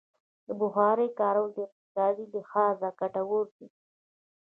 د بخارۍ کارول د اقتصادي لحاظه ګټور دي.